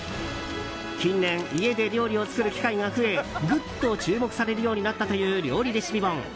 近年、家で料理を作る機会が増えぐっと注目されるようになったという料理レシピ本。